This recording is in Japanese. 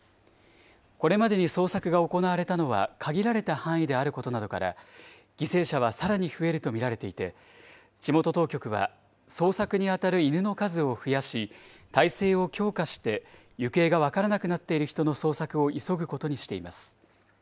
これまでに捜索が行われたのは、限られた範囲であることなどから、犠牲者はさらに増えると見られていて、地元当局は、捜索に当たる犬の数を増やし、態勢を強化して行方が分からなくなっている人の捜索を急ぐことにしています。